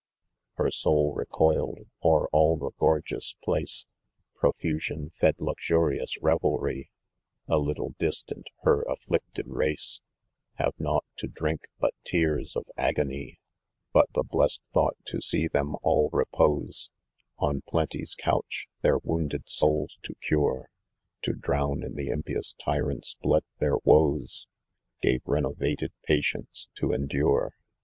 Her soul recoUed o'er all ^gorgeous place Profusion fed luxurious revelryâ€" A little distant, her afflicted race Kavenought to drink hut tears ofagony 21 But the West thought, to see them all repose On Plenty's coach ; their wounded souls to cure ; To drown, in the impious tyrant's blood, their woes ; Gave renovated patience to endure.